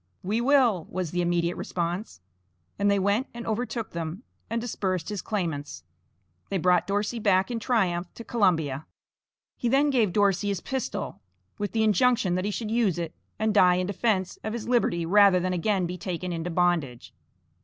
"We will," was the immediate response. And they went and overtook them, and dispersed his claimants. They brought Dorsey back in triumph to Columbia. He then gave Dorsey his pistol, with the injunction that he should use it and die in defence of his liberty rather than again be taken into bondage.